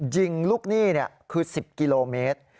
ยิงลูกหนี้คือ๑๐กิโลเมตร